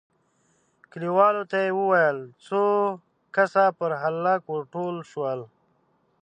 کليوالو ته يې وويل، څو کسه پر هلک ور ټول شول،